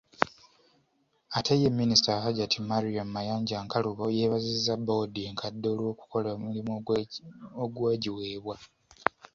Ate ye Minisita Hajjati Mariam Mayanja Nkalubo yeebazizza boodi enkadde olw’okukola omulimu ogwagiweebwa.